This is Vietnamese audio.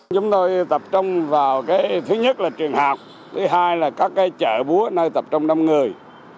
chúng tôi tập trung vào thứ nhất là trường học thứ hai là các chợ búa nơi tập trung đông người